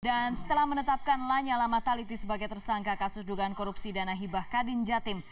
dan setelah menetapkan lanyala mataliti sebagai tersangka kasus dugaan korupsi dana hibah kadin jatim